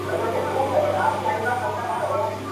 اورېدلي یې زاړه وراسته نکلونه-